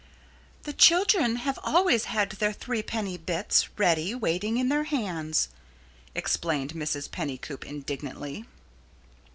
"The children have always had their three penny bits ready waiting in their hands," explained Mrs. Pennycoop, indignantly.